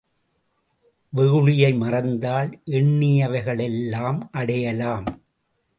வெகுளியை மறந்தால் எண்ணியவைகளையெல்லாம் அடையலாம்!